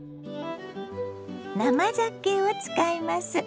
生ざけを使います。